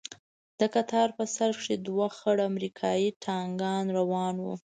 د کتار په سر کښې دوه خړ امريکايي ټانکان روان وو.